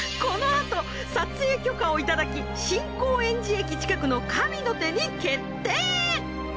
このあと撮影許可をいただき新高円寺駅近くの神の手に決定！